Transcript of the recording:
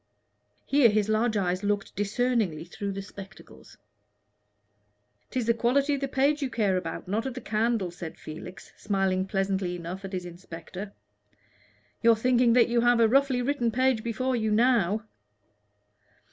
Here his large eyes looked discerningly through the spectacles. "'Tis the quality of the page you care about, not of the candle," said Felix, smiling pleasantly enough at his inspector. "You're thinking that you have a roughly written page before you now."